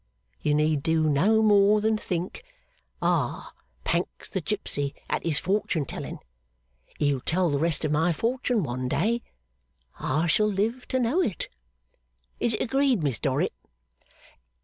You need do no more than think, "Ah! Pancks the gipsy at his fortune telling he'll tell the rest of my fortune one day I shall live to know it." Is it agreed, Miss Dorrit?